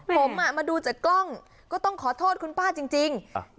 ผมมาดูจากกล้องก็ต้องขอโทษคุณป้าจริง